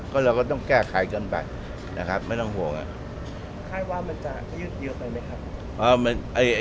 ก็เราก็ต้องแก้ไขกันไปนะครับไม่ต้องห่วงคาดว่ามันจะยืดเยอะไปไหมครับ